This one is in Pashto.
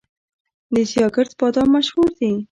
د سیاه ګرد بادام مشهور دي